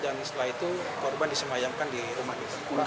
dan setelah itu korban disemayangkan di rumah